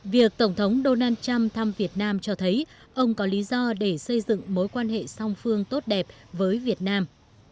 việc tổng thống donald trump thăm việt nam cho thấy ông có lý do để xây dựng mối quan hệ song phương tốt đẹp với việt nam